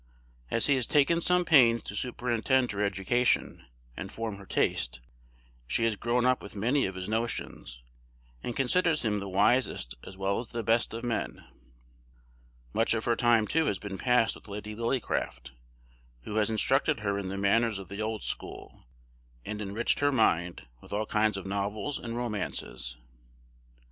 As he has taken some pains to superintend her education, and form her taste, she has grown up with many of his notions, and considers him the wisest as well as the best of men. Much of her time, too, has been passed with Lady Lillycraft, who has instructed her in the manners of the old school, and enriched her mind with all kinds of novels and romances.